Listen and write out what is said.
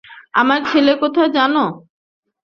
আমার ছেলে কোথায় জানো?